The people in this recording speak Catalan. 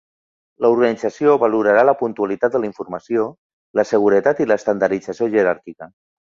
L'organització valorarà la puntualitat de la informació, la seguretat i l'estandardització jeràrquica.